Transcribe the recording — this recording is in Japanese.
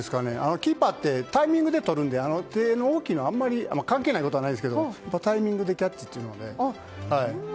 キーパーってタイミングでとるので手の大きさは関係ないことはないですけどタイミングでキャッチなので。